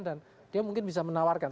dan dia mungkin bisa menawarkan